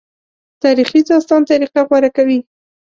تاریخي داستان طریقه غوره کوي.